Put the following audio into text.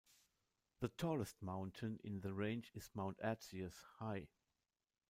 The tallest mountain in the range is Mount Erciyes, high.